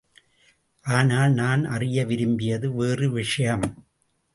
ஆனால் நான் அறிய விரும்பியது வேறு விஷயம்.